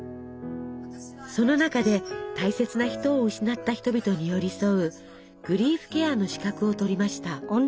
その中で大切な人を失った人々に寄り添うグリーフケアの資格をとりました。